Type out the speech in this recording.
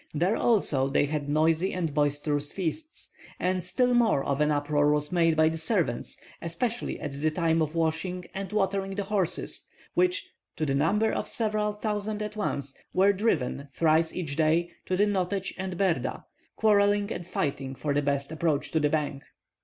There also they had noisy and boisterous feasts; and still more of an uproar was made by the servants, especially at the time of washing and watering the horses which, to the number of several thousand at once, were driven thrice each day to the Notets and Berda, quarrelling and fighting for the best approach to the bank.